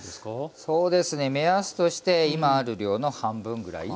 そうですね目安として今ある量の半分ぐらい。